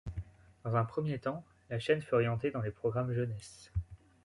Dans un premier temps, la chaîne fut orienté dans les programmes jeunesses.